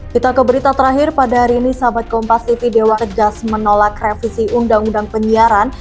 kita ke berita terakhir pada hari ini sahabat kompas siti dewa kedas menolak revisi undang undang penyiaran